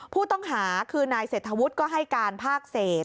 ผู้ต้องหาคือนายเศรษฐวุฒิก็ให้การภาคเศษ